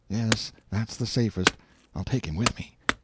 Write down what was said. Yes, that's the safest I'll take him with me."